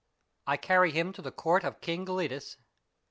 — I CARRY HIM TO THE COURT OF KING GELIDUS.